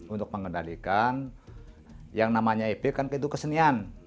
untuk mengendalikan yang namanya epib kan itu kesenian